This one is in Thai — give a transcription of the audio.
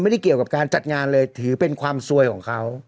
เกี่ยวกับการจัดงานเลยถือเป็นความซวยของเขา